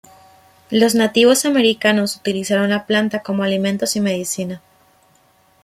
Los nativos americanos utilizaron la planta como alimentos y medicina.